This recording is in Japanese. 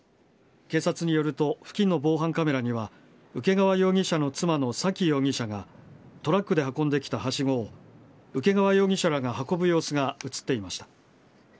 警察によると付近の防犯カメラには請川容疑者の妻の左稀容疑者がトラックで運んできたはしごを請川容疑者らが運ぶ様子が映っていました。